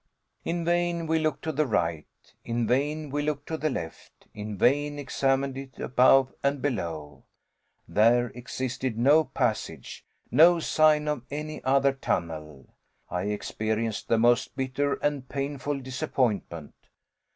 In vain we looked to the right, in vain we looked to the left; in vain examined it above and below. There existed no passage, no sign of any other tunnel. I experienced the most bitter and painful disappointment.